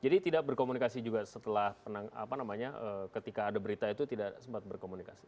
jadi tidak berkomunikasi juga setelah ketika ada berita itu tidak sempat berkomunikasi